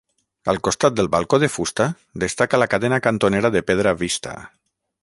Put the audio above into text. Al costat del balcó de fusta, destaca la cadena cantonera de pedra vista.